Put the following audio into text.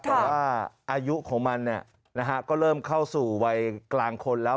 แต่ว่าอายุของมันก็เริ่มเข้าสู่วัยกลางคนแล้ว